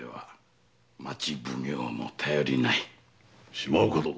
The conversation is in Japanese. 島岡殿。